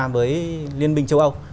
với liên minh châu âu